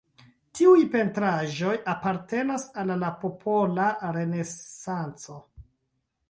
Tiuj pentraĵoj apartenas al la popola renesanco.